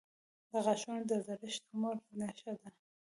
• د غاښونو زړښت د عمر نښه ده.